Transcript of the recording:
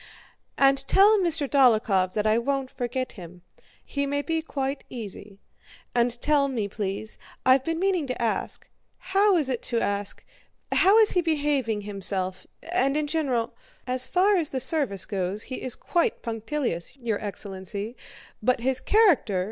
"And tell Mr. Dólokhov that I won't forget him—he may be quite easy. And tell me, please—I've been meaning to ask—how is he behaving himself, and in general..." "As far as the service goes he is quite punctilious, your excellency; but his character..."